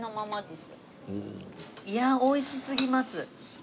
いやあ美味しすぎます。